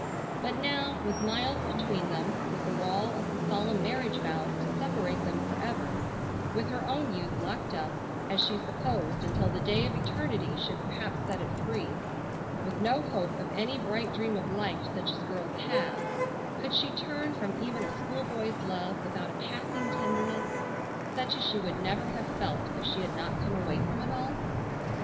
But now, with miles between them, with the wall of the solemn marriage vows to separate them forever, with her own youth locked up as she supposed until the day of eternity should perhaps set it free, with no hope of any bright dream of life such as girls have, could she turn from even a school boy's love without a passing tenderness, such as she would never have felt if she had not come away from it all?